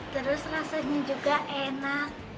terus rasanya juga enak